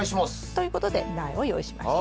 ということで苗を用意しました。